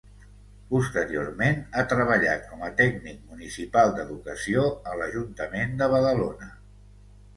Posteriorment ha treballat com a tècnic municipal d'educació a l'ajuntament de Badalona.